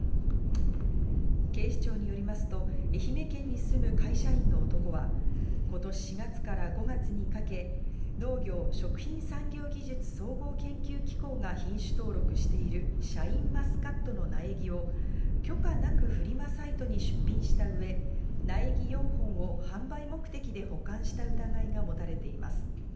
警視庁によりますと、愛媛県に住む会社員の男は今年４月から５月にかけ、農業・食品産業技術総合研究機構が品種登録しているシャインマスカットの苗木を許可なくフリマサイトに出品したうえ、苗木４本を販売目的で保管した疑いが持たれています。